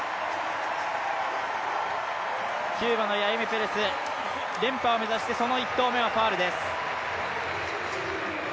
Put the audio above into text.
キューバのヤイメ・ペレス連覇を目指して、その１投目をファウルです。